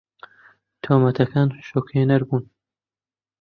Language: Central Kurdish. تۆمەتەکان شۆکهێنەر بوون.